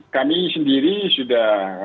kami sendiri sudah